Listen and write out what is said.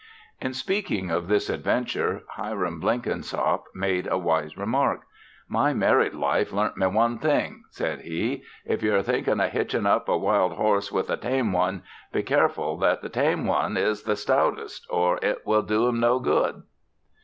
In speaking of this adventure, Hiram Blenkinsop made a wise remark: "My married life learnt me one thing," said he. "If you are thinkin' of hitchin' up a wild horse with a tame one, be careful that the tame one is the stoutest or it will do him no good."